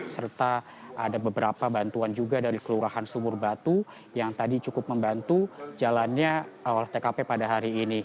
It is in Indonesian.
serta ada beberapa bantuan juga dari kelurahan sumur batu yang tadi cukup membantu jalannya olah tkp pada hari ini